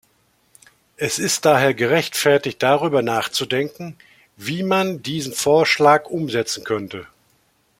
Es ist daher gerechtfertigt, darüber nachzudenken, wie man diesen Vorschlag umsetzen könnte.